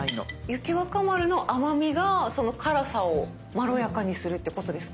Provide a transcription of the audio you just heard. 雪若丸の甘みがその辛さをまろやかにするってことですか？